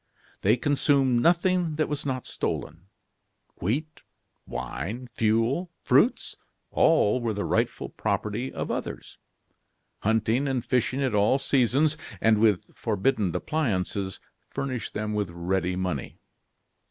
They consumed nothing that was not stolen. Wheat, wine, fuel, fruits all were the rightful property of others. Hunting and fishing at all seasons, and with forbidden appliances, furnished them with ready money.